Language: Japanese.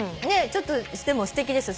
ちょっとしてもすてきです。